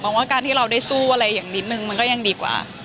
ว่าการที่เราได้สู้อะไรอย่างนิดนึงมันก็ยังดีกว่า